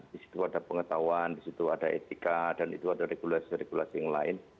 di situ ada pengetahuan di situ ada etika dan itu ada regulasi regulasi yang lain